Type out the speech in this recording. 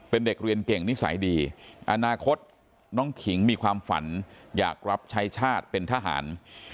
เป็นเด็กเรียนเก่งนิสัยดีอนาคตน้องขิงมีความฝันอยากรับใช้ชาติเป็นทหาร